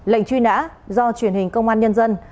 lệnh truy nã do truyền hình công an nhân dân